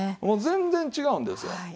もう全然違うんですよ。